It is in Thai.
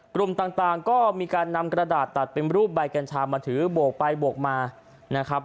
กลุ่มต่างก็มีการนำกระดาษตัดเป็นรูปใบกัญชามาถือโบกไปโบกมานะครับ